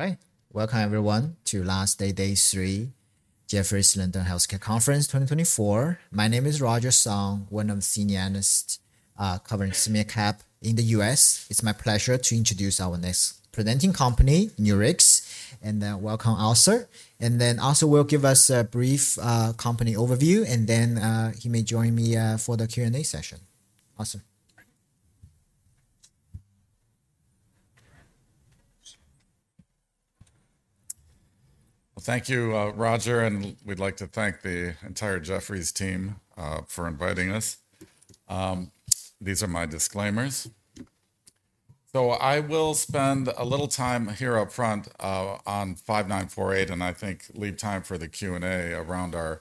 Hi. Welcome, everyone, to Day 3, Jefferies London Healthcare Conference 2024. My name is Roger Song, one of the senior analysts covering small/mid cap in the US. It's my pleasure to introduce our next presenting company, Nurix. And then welcome, Arthur. And then Arthur will give us a brief company overview, and then he may join me for the Q&A session. Arthur. Well, thank you, Roger. And we'd like to thank the entire Jefferies team for inviting us. These are my disclaimers. So I will spend a little time here upfront on 5948, and I think leave time for the Q&A around our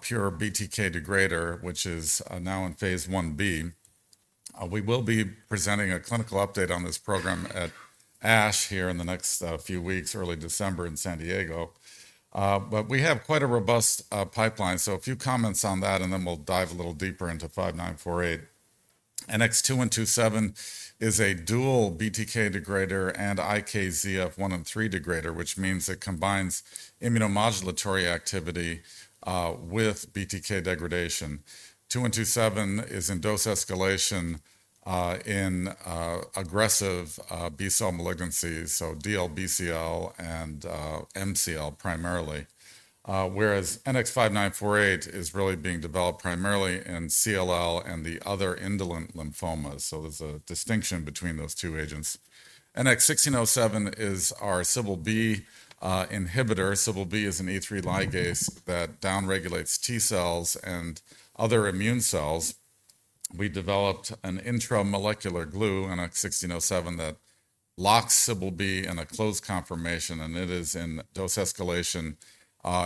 pure BTK degrader, which is now in phase I-B. We will be presenting a clinical update on this program at ASH here in the next few weeks, early December in San Diego. But we have quite a robust pipeline. So a few comments on that, and then we'll dive a little deeper into 5948. NX-2127 is a dual BTK degrader and IKZF1 and IKZF3 degrader, which means it combines immunomodulatory activity with BTK degradation. 2127 is in dose escalation in aggressive B-cell malignancies, so DLBCL and MCL primarily. Whereas NX-5948 is really being developed primarily in CLL and the other indolent lymphomas. There's a distinction between those two agents. NX-1607 is our CBL-B inhibitor. CBL-B is an E3 ligase that downregulates T cells and other immune cells. We developed an intramolecular glue in NX-1607 that locks CBL-B in a closed conformation, and it is in dose escalation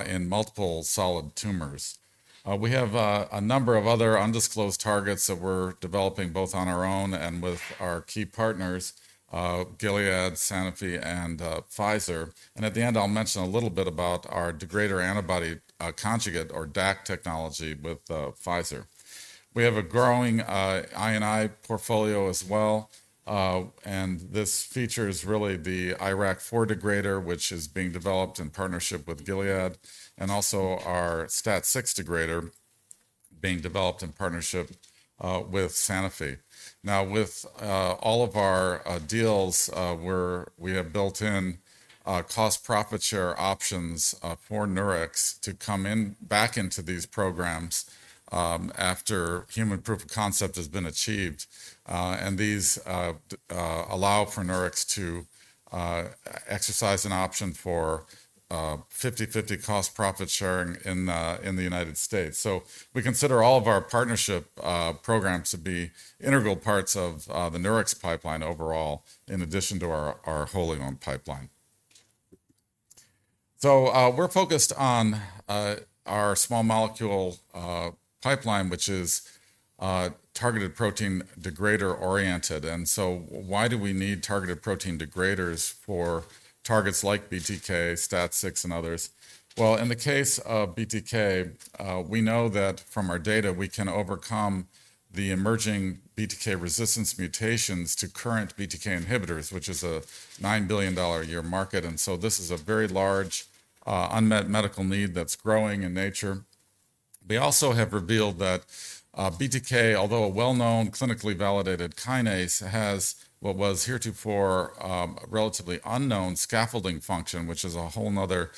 in multiple solid tumors. We have a number of other undisclosed targets that we're developing both on our own and with our key partners, Gilead, Sanofi, and Pfizer. At the end, I'll mention a little bit about our degrader antibody conjugate, or DAC, technology with Pfizer. We have a growing I&I portfolio as well. This feature is really the IRAK4 degrader, which is being developed in partnership with Gilead, and also our STAT6 degrader being developed in partnership with Sanofi. Now, with all of our deals, we have built-in cost profit share options for Nurix to come back into these programs after human proof of concept has been achieved. These allow for Nurix to exercise an option for 50/50 cost profit sharing in the United States. We consider all of our partnership programs to be integral parts of the Nurix pipeline overall, in addition to our wholly owned pipeline. We're focused on our small molecule pipeline, which is targeted protein degrader oriented. Why do we need targeted protein degraders for targets like BTK, STAT6, and others? In the case of BTK, we know that from our data, we can overcome the emerging BTK resistance mutations to current BTK inhibitors, which is a $9 billion-a-year market. This is a very large unmet medical need that's growing in nature. They also have revealed that BTK, although a well-known clinically validated kinase, has what was heretofore relatively unknown scaffolding function, which is a whole nother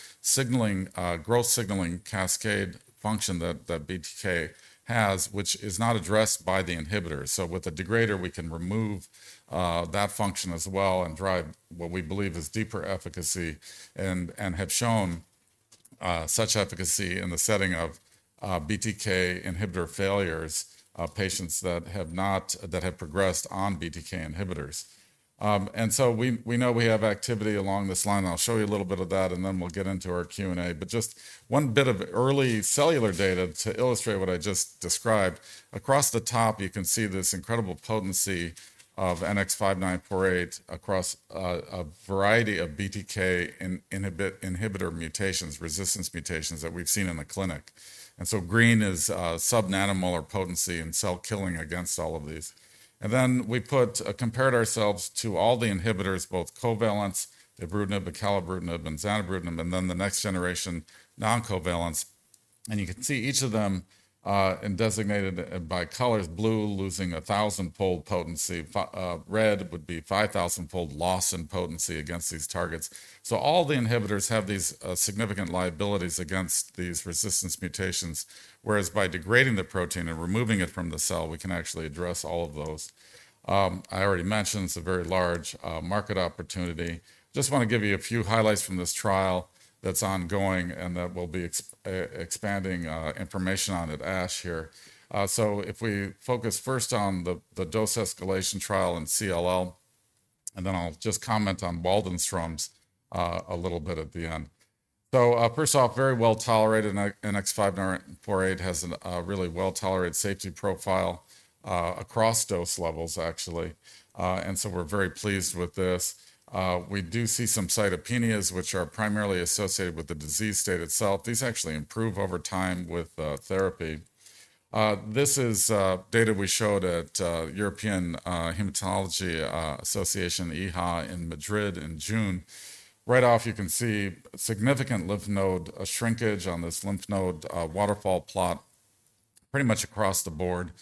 growth signaling cascade function that BTK has, which is not addressed by the inhibitor, so with a degrader, we can remove that function as well and drive what we believe is deeper efficacy and have shown such efficacy in the setting of BTK inhibitor failures of patients that have progressed on BTK inhibitors, and so we know we have activity along this line. I'll show you a little bit of that, and then we'll get into our Q&A, but just one bit of early cellular data to illustrate what I just described. Across the top, you can see this incredible potency of NX-5948 across a variety of BTK inhibitor mutations, resistance mutations that we've seen in the clinic. Green is sub-nanomolar potency and cell killing against all of these. We compared ourselves to all the inhibitors, both covalent, ibrutinib, acalabrutinib, and zanabrutinib, and then the next generation non-covalent. You can see each of them designated by colors, blue losing 1,000-fold potency, red would be 5,000-fold loss in potency against these targets. All the inhibitors have these significant liabilities against these resistance mutations, whereas by degrading the protein and removing it from the cell, we can actually address all of those. I already mentioned it's a very large market opportunity. Just want to give you a few highlights from this trial that's ongoing and that we'll be expanding information on at ASH here. If we focus first on the dose escalation trial in CLL, and then I'll just comment on Waldenstrom's a little bit at the end. So first off, very well tolerated. NX-5948 has a really well-tolerated safety profile across dose levels, actually. And so we're very pleased with this. We do see some cytopenias, which are primarily associated with the disease state itself. These actually improve over time with therapy. This is data we showed at European Hematology Association, EHA, in Madrid in June. Right off, you can see significant lymph node shrinkage on this lymph node waterfall plot pretty much across the board.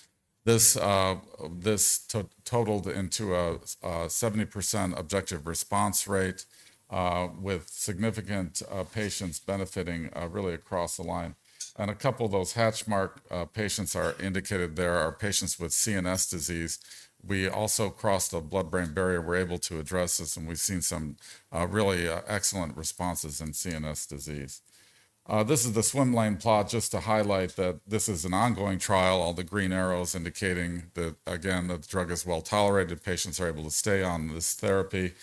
This totaled into a 70% objective response rate with significant patients benefiting really across the line. And a couple of those hatchmark patients are indicated. There are patients with CNS disease. We also crossed the blood-brain barrier. We're able to address this, and we've seen some really excellent responses in CNS disease. This is the swim lane plot just to highlight that this is an ongoing trial. All the green arrows indicating that, again, the drug is well tolerated. Patients are able to stay on this therapy.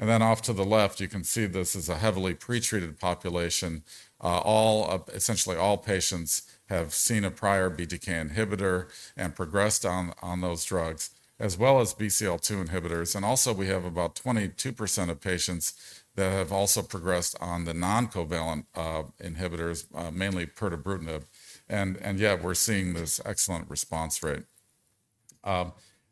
And then off to the left, you can see this is a heavily pretreated population. Essentially, all patients have seen a prior BTK inhibitor and progressed on those drugs, as well as BCL-2 inhibitors. And also, we have about 22% of patients that have also progressed on the non-covalent inhibitors, mainly pirtobrutinib. And yeah, we're seeing this excellent response rate.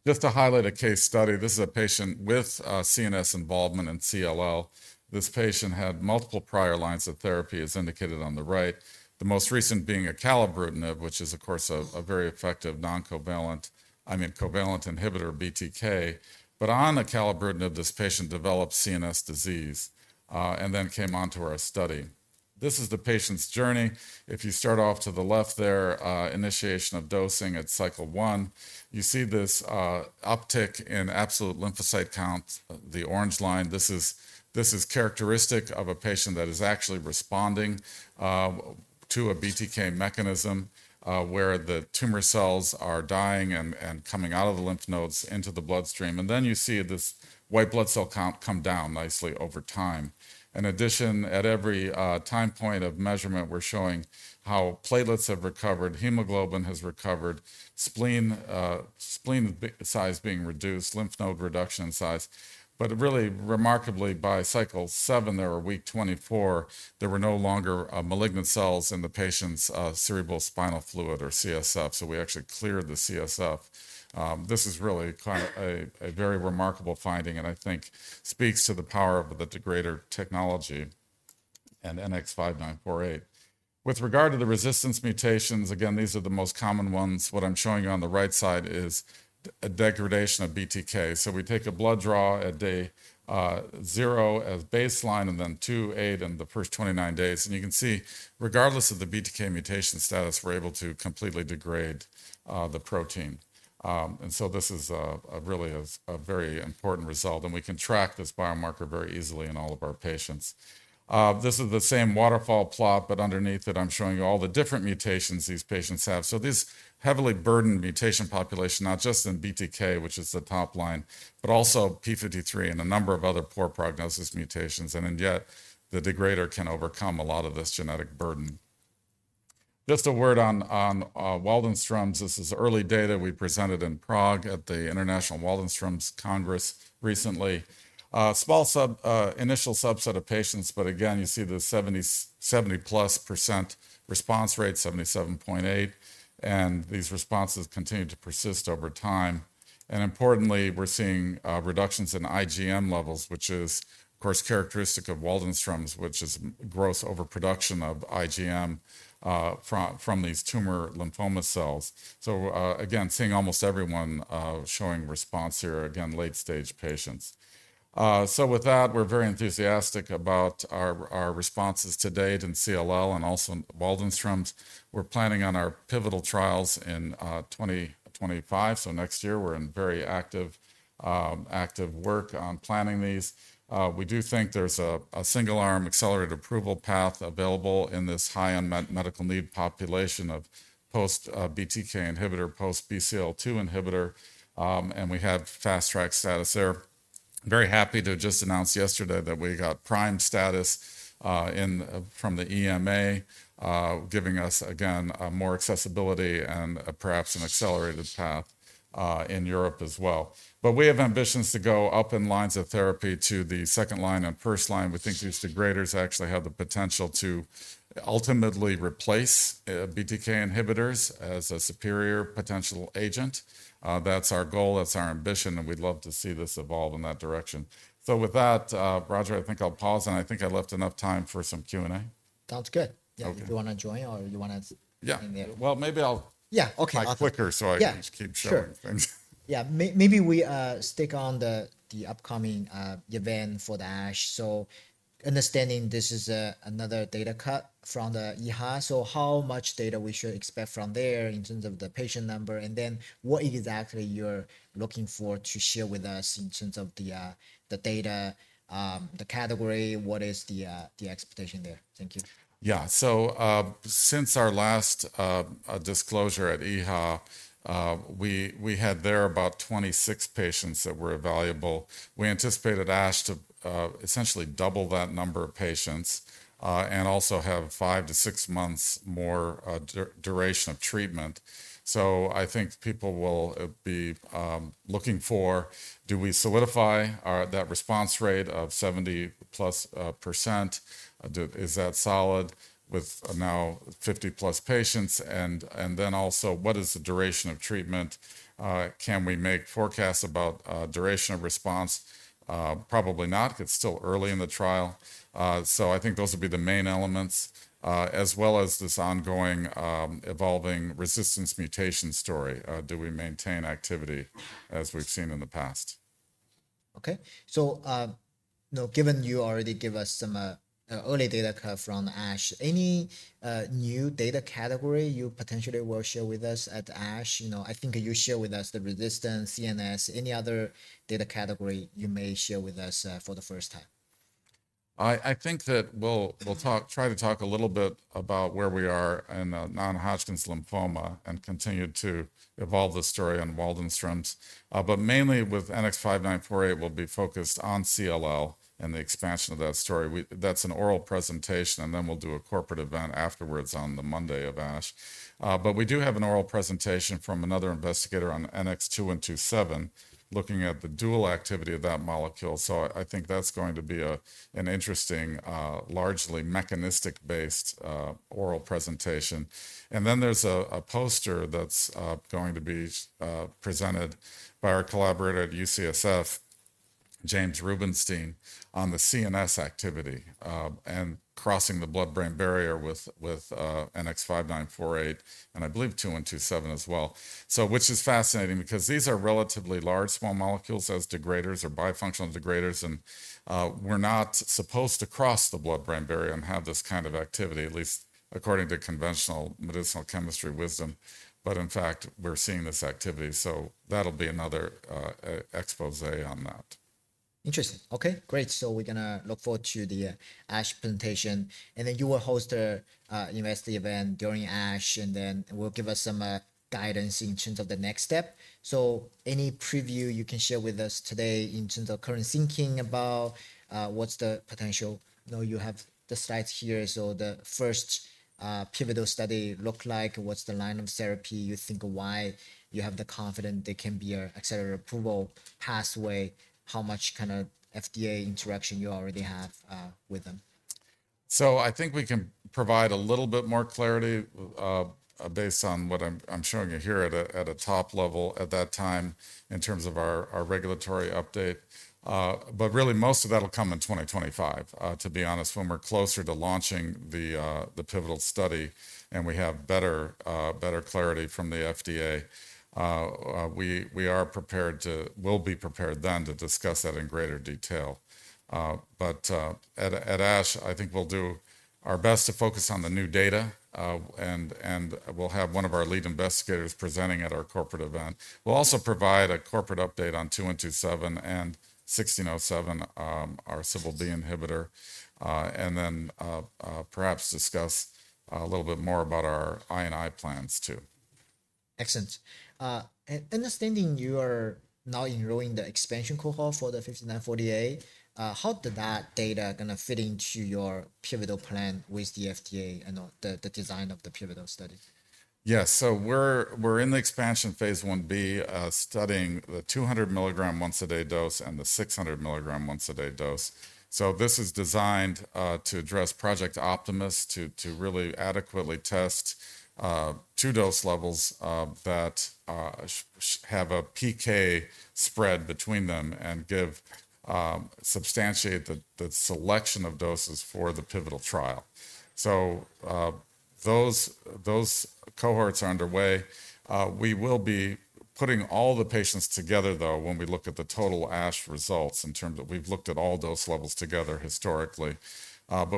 Just to highlight a case study, this is a patient with CNS involvement in CLL. This patient had multiple prior lines of therapy, as indicated on the right, the most recent being acalabrutinib, which is, of course, a very effective non-covalent inhibitor of BTK. But on acalabrutinib, this patient developed CNS disease and then came onto our study. This is the patient's journey. If you start off to the left there, initiation of dosing at cycle one, you see this uptick in absolute lymphocyte count, the orange line. This is characteristic of a patient that is actually responding to a BTK mechanism where the tumor cells are dying and coming out of the lymph nodes into the bloodstream, and then you see this white blood cell count come down nicely over time. In addition, at every time point of measurement, we're showing how platelets have recovered, hemoglobin has recovered, spleen size being reduced, lymph node reduction size, but really, remarkably, by cycle seven, week 24, there were no longer malignant cells in the patient's cerebrospinal fluid or CSF, so we actually cleared the CSF. This is really a very remarkable finding, and I think speaks to the power of the degrader technology and NX-5948. With regard to the resistance mutations, again, these are the most common ones. What I'm showing you on the right side is a degradation of BTK. So we take a blood draw at day zero as baseline and then two, eight, and the first 29 days. And you can see, regardless of the BTK mutation status, we're able to completely degrade the protein. And so this is really a very important result. And we can track this biomarker very easily in all of our patients. This is the same waterfall plot, but underneath it, I'm showing you all the different mutations these patients have. So this heavily burdened mutation population, not just in BTK, which is the top line, but also p53 and a number of other poor prognosis mutations. And yet, the degrader can overcome a lot of this genetic burden. Just a word on Waldenstrom's. This is early data we presented in Prague at the International Waldenstrom's Congress recently. Small initial subset of patients, but again, you see the 70-plus% response rate, 77.8%, and these responses continue to persist over time. And importantly, we're seeing reductions in IgM levels, which is, of course, characteristic of Waldenstrom's, which is gross overproduction of IgM from these tumor lymphoma cells. So again, seeing almost everyone showing response here, again, late-stage patients. So with that, we're very enthusiastic about our responses to date in CLL and also Waldenstrom's. We're planning on our pivotal trials in 2025. So next year, we're in very active work on planning these. We do think there's a single-arm accelerated approval path available in this high unmet medical need population of post-BTK inhibitor, post-BCL-2 inhibitor, and we have Fast Track status there. Very happy to just announce yesterday that we got PRIME status from the EMA, giving us, again, more accessibility and perhaps an accelerated path in Europe as well. But we have ambitions to go up in lines of therapy to the second line and first line. We think these degraders actually have the potential to ultimately replace BTK inhibitors as a superior potential agent. That's our goal. That's our ambition, and we'd love to see this evolve in that direction. So with that, Roger, I think I'll pause, and I think I left enough time for some Q&A. Sounds good. Do you want to join or you want to? Yeah. Well, maybe I'll. Yeah. Okay. Talk quicker so I can keep showing things. Yeah. Maybe we stick on the upcoming event for the ASH. So understanding this is another data cut from the EHA. So how much data we should expect from there in terms of the patient number, and then what exactly you're looking for to share with us in terms of the data, the category, what is the expectation there? Thank you. Yeah. So since our last disclosure at EHA, we had there about 26 patients that were evaluable. We anticipated ASH to essentially double that number of patients and also have five to six months more duration of treatment. So I think people will be looking for, do we solidify that response rate of 70-plus%? Is that solid with now 50-plus patients? And then also, what is the duration of treatment? Can we make forecasts about duration of response? Probably not. It's still early in the trial. So I think those would be the main elements, as well as this ongoing evolving resistance mutation story. Do we maintain activity as we've seen in the past? Okay, so given you already gave us some early data cut from ASH, any new data category you potentially will share with us at ASH? I think you shared with us the resistance, CNS. Any other data category you may share with us for the first time? I think that we'll try to talk a little bit about where we are in Non-Hodgkin's lymphoma and continue to evolve the story on Waldenstrom's. But mainly with NX-5948, we'll be focused on CLL and the expansion of that story. That's an oral presentation, and then we'll do a corporate event afterwards on the Monday of ASH. But we do have an oral presentation from another investigator on NX-2127 looking at the dual activity of that molecule. So I think that's going to be an interesting, largely mechanistic-based oral presentation. And then there's a poster that's going to be presented by our collaborator at UCSF, James Rubenstein, on the CNS activity and crossing the blood-brain barrier with NX-5948 and I believe 2127 as well, which is fascinating because these are relatively large small molecules as degraders or bifunctional degraders. And we're not supposed to cross the blood-brain barrier and have this kind of activity, at least according to conventional medicinal chemistry wisdom. But in fact, we're seeing this activity. So that'll be another expose on that. Interesting. Okay. Great. So we're going to look forward to the ASH presentation. And then you will host the investor event during ASH, and then you'll give us some guidance in terms of the next step. So any preview you can share with us today in terms of current thinking about what's the potential? You have the slides here. So the first pivotal study looked like, what's the line of therapy? You think of why you have the confidence they can be an accelerated approval pathway, how much kind of FDA interaction you already have with them? So I think we can provide a little bit more clarity based on what I'm showing you here at a top level at that time in terms of our regulatory update. But really, most of that will come in 2025, to be honest, when we're closer to launching the pivotal study and we have better clarity from the FDA. We will be prepared then to discuss that in greater detail. But at ASH, I think we'll do our best to focus on the new data, and we'll have one of our lead investigators presenting at our corporate event. We'll also provide a corporate update on 2127 and 1607, our CBL-B inhibitor, and then perhaps discuss a little bit more about our I&I plans too. Excellent. Understanding you are now enrolling the expansion cohort for the 5948, how did that data going to fit into your pivotal plan with the FDA and the design of the pivotal study? Yes. We're in the expansion phase I-B, studying the 200 mg once-a-day dose and the 600 mg once-a-day dose. This is designed to address Project Optimus to really adequately test two dose levels that have a PK spread between them and substantiate the selection of doses for the pivotal trial. Those cohorts are underway. We will be putting all the patients together, though, when we look at the total ASH results in terms of we've looked at all dose levels together historically.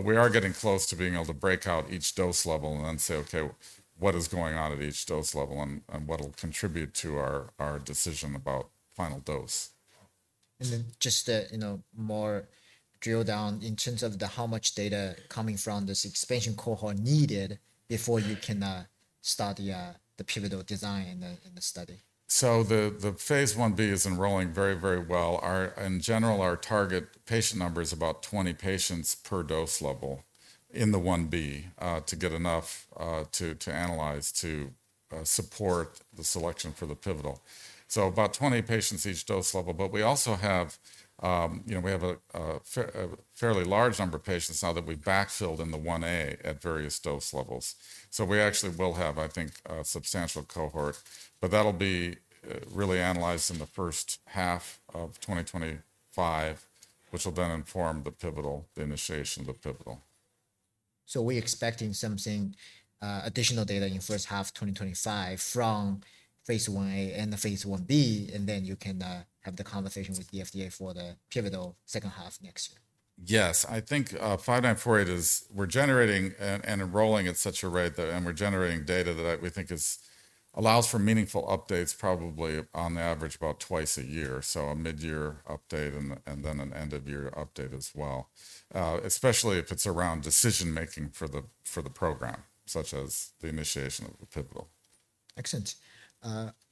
We are getting close to being able to break out each dose level and then say, okay, what is going on at each dose level and what will contribute to our decision about final dose? And then just to more drill down in terms of how much data coming from this expansion cohort needed before you can start the pivotal design and the study? So the phase I-B is enrolling very, very well. In general, our target patient number is about 20 patients per dose level in the phase I-B to get enough to analyze to support the selection for the pivotal. So about 20 patients each dose level. But we also have a fairly large number of patients now that we've backfilled in the phase I-A at various dose levels. So we actually will have, I think, a substantial cohort, but that'll be really analyzed in the first half of 2025, which will then inform the pivotal, the initiation of the pivotal. We're expecting some additional data in the first half of 2025 from phase I-A and phase I-B, and then you can have the conversation with the FDA for the pivotal second half next year. Yes. I think 5948 is, we're generating and enrolling at such a rate that, and we're generating data that we think allows for meaningful updates probably on average about twice a year. So a mid-year update and then an end-of-year update as well, especially if it's around decision-making for the program, such as the initiation of the pivotal. Excellent.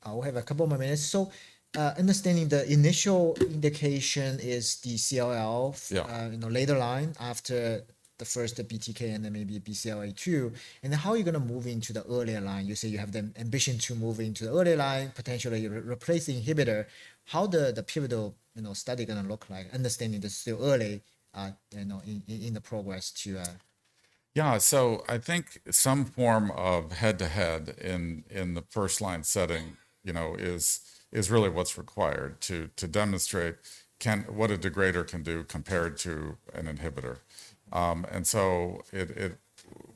I'll have a couple more minutes. So understanding the initial indication is the CLL later line after the first BTK and then maybe BCL2. And then how are you going to move into the earlier line? You say you have the ambition to move into the earlier line, potentially replace the inhibitor. How the pivotal study going to look like, understanding that it's still early in the progress too? Yeah. So I think some form of head-to-head in the first line setting is really what's required to demonstrate what a degrader can do compared to an inhibitor. And so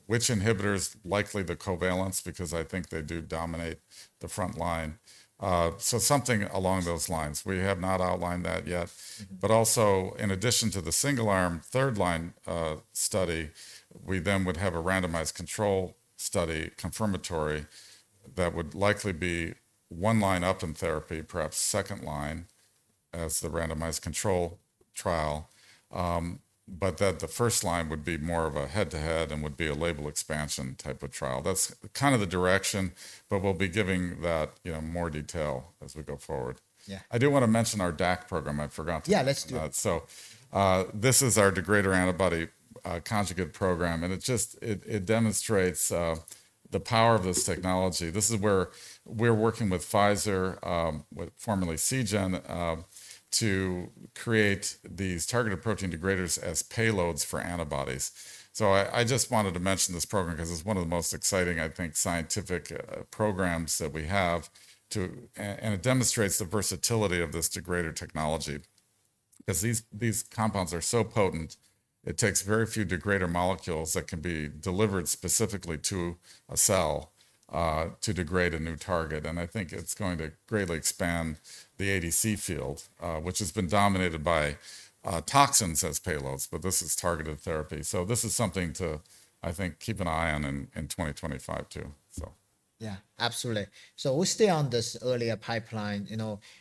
which inhibitor is likely the covalent, because I think they do dominate the front line. So something along those lines. We have not outlined that yet. But also, in addition to the single-arm third line study, we then would have a randomized control study confirmatory that would likely be one line up in therapy, perhaps second line as the randomized control trial, but that the first line would be more of a head-to-head and would be a label expansion type of trial. That's kind of the direction, but we'll be giving that more detail as we go forward. I do want to mention our DAC program. I forgot to mention that. Yeah, let's do it. So this is our degrader antibody conjugate program, and it demonstrates the power of this technology. This is where we're working with Pfizer, formerly Seagen, to create these targeted protein degraders as payloads for antibodies. So I just wanted to mention this program because it's one of the most exciting, I think, scientific programs that we have, and it demonstrates the versatility of this degrader technology. Because these compounds are so potent, it takes very few degrader molecules that can be delivered specifically to a cell to degrade a new target. And I think it's going to greatly expand the ADC field, which has been dominated by toxins as payloads, but this is targeted therapy. So this is something to, I think, keep an eye on in 2025 too. Yeah, absolutely. So we'll stay on this earlier pipeline.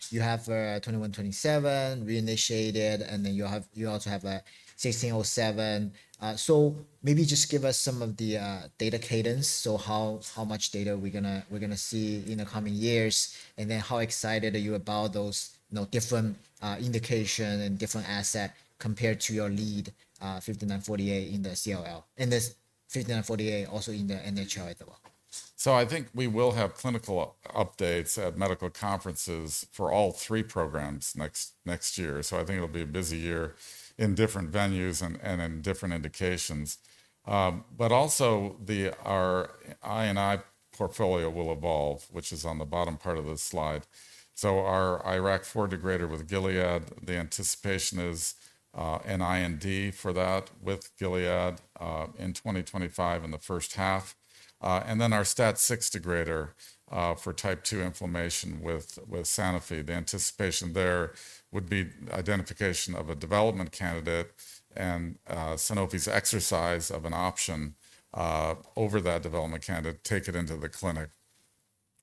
You have 2127 reinitiated, and then you also have 1607. So maybe just give us some of the data cadence. So how much data we're going to see in the coming years, and then how excited are you about those different indications and different assets compared to your lead 5948 in the CLL and the 5948 also in the NHL as well? So I think we will have clinical updates at medical conferences for all three programs next year. So I think it'll be a busy year in different venues and in different indications. But also our I&I portfolio will evolve, which is on the bottom part of this slide. So our IRAK4 degrader with Gilead, the anticipation is an IND for that with Gilead in 2025 in the first half. And then our STAT6 degrader for type 2 inflammation with Sanofi. The anticipation there would be identification of a development candidate and Sanofi's exercise of an option over that development candidate, take it into the clinic.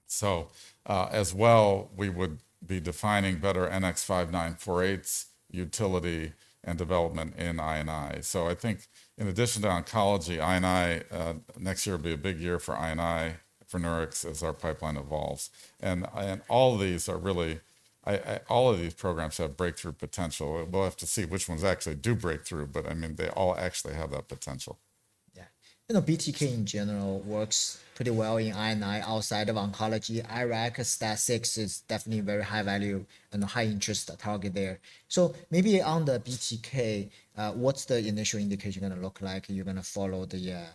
So as well, we would be defining better NX-5948's utility and development in I&I. So I think in addition to oncology, I&I next year will be a big year for I&I for Nurix as our pipeline evolves. All of these are really, all of these programs have breakthrough potential. We'll have to see which ones actually do break through, but I mean, they all actually have that potential. Yeah. BTK in general works pretty well in I&I outside of oncology. IRAK4, STAT6 is definitely a very high-value and high-interest target there. So maybe on the BTK, what's the initial indication going to look like? You're going to follow the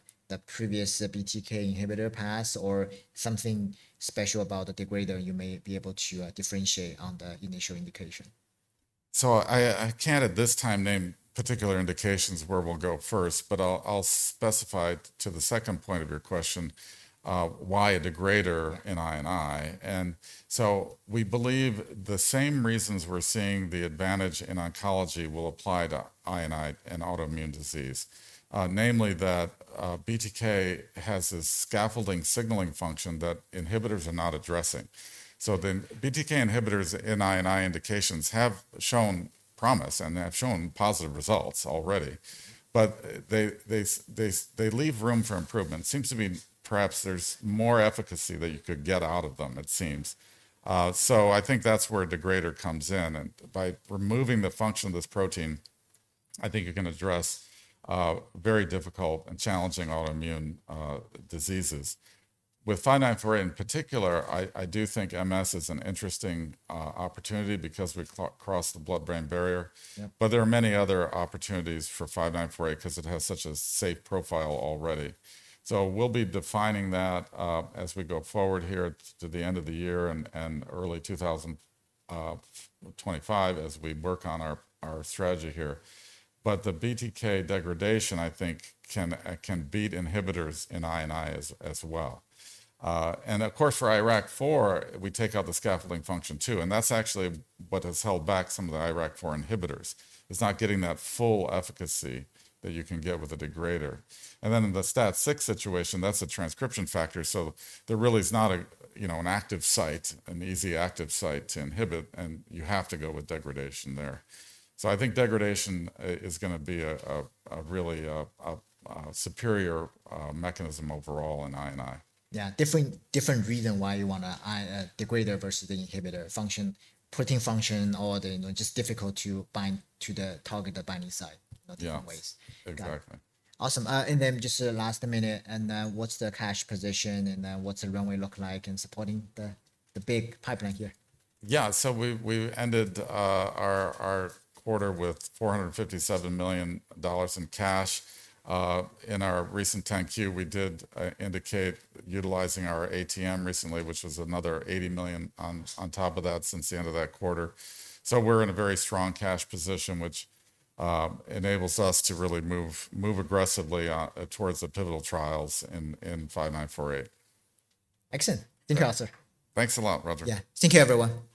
previous BTK inhibitor path or something special about the degrader you may be able to differentiate on the initial indication? So, I can't at this time name particular indications where we'll go first, but I'll specify to the second point of your question, why a degrader in I&I. And so, we believe the same reasons we're seeing the advantage in oncology will apply to I&I and autoimmune disease, namely that BTK has this scaffolding signaling function that inhibitors are not addressing. So, the BTK inhibitors in I&I indications have shown promise and have shown positive results already, but they leave room for improvement. Seems to me perhaps there's more efficacy that you could get out of them, it seems. So, I think that's where a degrader comes in. And by removing the function of this protein, I think you can address very difficult and challenging autoimmune diseases. With 5948 in particular, I do think MS is an interesting opportunity because we cross the blood-brain barrier, but there are many other opportunities for 5948 because it has such a safe profile already. So we'll be defining that as we go forward here to the end of the year and early 2025 as we work on our strategy here. But the BTK degradation, I think, can beat inhibitors in I&I as well. And of course, for IRAK4, we take out the scaffolding function too, and that's actually what has held back some of the IRAK4 inhibitors. It's not getting that full efficacy that you can get with a degrader. And then in the STAT6 situation, that's a transcription factor. So there really is not an active site, an easy active site to inhibit, and you have to go with degradation there. I think degradation is going to be a really superior mechanism overall in I&I. Yeah. Different reason why you want a degrader versus the inhibitor function, protein function, or just difficult to bind to the target binding site in different ways. Yeah, exactly. Awesome. And then, just the last minute, and then, what's the cash position, and then, what's the runway look like in supporting the big pipeline here? Yeah. So we ended our quarter with $457 million in cash. In our recent 10-Q, we did indicate utilizing our ATM recently, which was another $80 million on top of that since the end of that quarter. So we're in a very strong cash position, which enables us to really move aggressively towards the pivotal trials in 5948. Excellent. Thank you, Arthur. Thanks a lot, Roger. Yeah. Thank you, everyone.